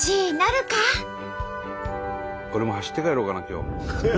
俺も走って帰ろうかな今日。